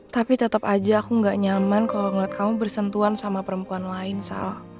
tapi tetap aja aku gak nyaman kalau ngeliat kamu bersentuhan sama perempuan lain soal